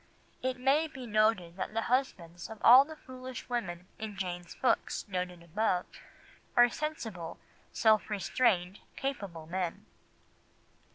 It may be noted that the husbands of all the foolish women in Jane's books noted above are sensible, self restrained, capable men.